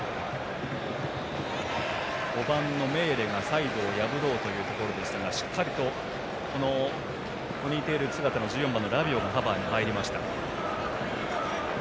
５番のメーレがサイドを破ろうというところでしたがしっかりとポニーテール姿のラビオがカバーに入りました。